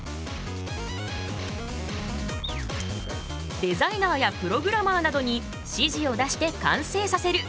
デザイナーやプログラマーなどに指示を出して完成させる。